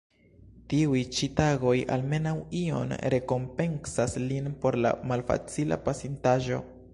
Tiuj ĉi tagoj almenaŭ iom rekompencas lin por la malfacila pasintaĵo.